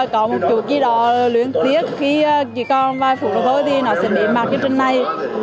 có một chút gì đó luyến tiếc khi chỉ còn vài phút thôi thì nó sẽ bị mặc trên này